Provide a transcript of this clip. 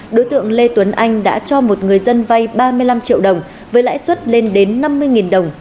đối tượng lê tuấn anh đã cho một người dân vay ba mươi năm triệu đồng với lãi suất lên đến năm mươi đồng